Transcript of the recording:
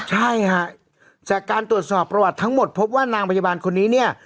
ใช่ค่ะจากการตรวจสอบประวัติทั้งหมดพบว่านางพยาบาลคนนี้เนี่ย